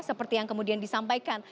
seperti yang kemudian disampaikan